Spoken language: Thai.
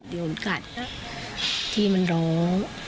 โดนกัดที่มันร้อง